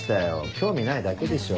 興味ないだけでしょ。